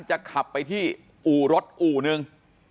จะขับไปที่อู่รถอู่นึง